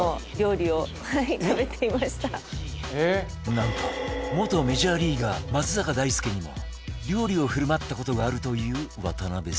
なんと元メジャーリーガー松坂大輔にも料理を振る舞った事があるという渡邊さん